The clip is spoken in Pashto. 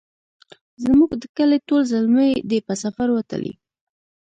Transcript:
زموږ د کلې ټول زلمي دی په سفر وتلي